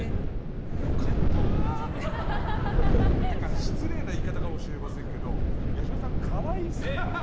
失礼な言い方かもしれませんけど八代さん、可愛いですね。